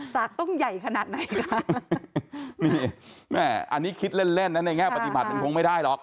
ต้องใหญ่ขนาดไหนคะนี่แม่อันนี้คิดเล่นเล่นนะในแง่ปฏิบัติมันคงไม่ได้หรอก